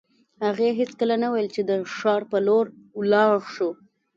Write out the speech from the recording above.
هغې هېڅکله نه ویل چې د ښار په لور ولاړ شو